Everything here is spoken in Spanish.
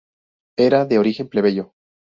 Era de origen plebeyo.